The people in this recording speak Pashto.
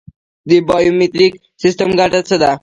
د بایومتریک سیستم ګټه څه ده؟